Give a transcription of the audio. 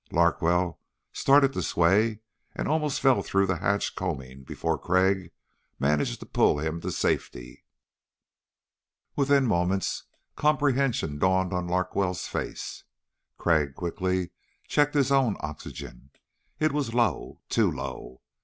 Larkwell started to sway, and almost fell through the hatch combing before Crag managed to pull him to safety. Within moments comprehension dawned on Larkwell's face. Crag quickly checked his own oxygen. It was low. Too low.